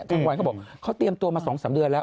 กลางวันเขาบอกเขาเตรียมตัวมา๒๓เดือนแล้ว